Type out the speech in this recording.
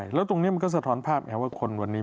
แล้วตรงนี้มันก็สะท้อนภาพไงว่าคนวันนี้